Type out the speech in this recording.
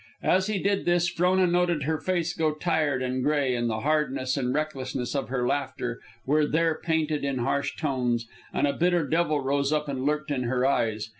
As he did this, Frona noted her face go tired and gray, and the hardness and recklessness of her laughter were there painted in harsh tones, and a bitter devil rose up and lurked in her eyes.